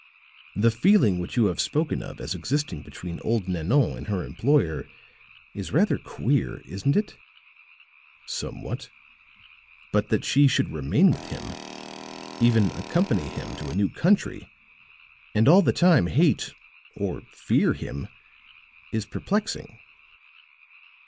"The feeling which you have spoken of as existing between old Nanon and her employer is rather queer, isn't it?" "Somewhat." "But that she should remain with him even accompany him to a new country and all the time hate, or fear, him is perplexing."